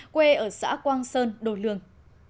quê ở xã quang sơn đồ lương